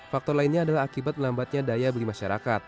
faktor lainnya adalah akibat melambatnya daya beli masyarakat